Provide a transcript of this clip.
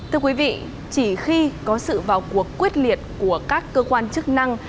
thưa quý vị chỉ khi có sự vào cuộc quyết liệt của các cơ quan chức năng